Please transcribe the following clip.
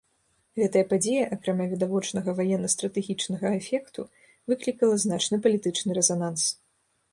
Гэтая падзея, акрамя відавочнага ваенна-стратэгічнага эфекту, выклікала значны палітычны рэзананс.